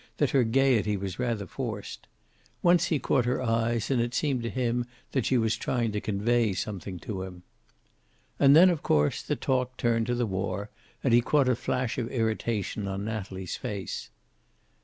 that her gayety was rather forced. Once he caught her eyes and it seemed to him that she was trying to convey something to him. And then, of course, the talk turned to the war, and he caught a flash of irritation on Natalie's face.